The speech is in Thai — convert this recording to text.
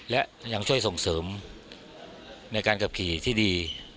และยังช่วยส่งเสริมในการขับขี่ที่ดี